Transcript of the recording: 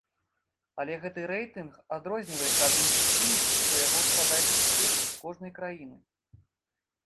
Але гэты рэйтынг адрозніваецца ад іншых тым, што яго складаюць эксперты з кожнай краіны.